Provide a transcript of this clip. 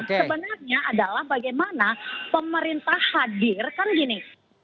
sebenarnya adalah bagaimana pemerintah hadir kan gini